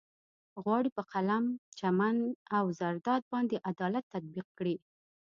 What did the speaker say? غواړي په قلم، چمن او زرداد باندې عدالت تطبيق کړي.